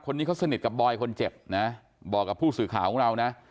คนนี้เขาสนิทกับบอยคนเจ็บนะบอกกับผู้สื่อข่าวของเรานะ